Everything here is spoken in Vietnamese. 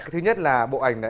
thứ nhất là bộ ảnh này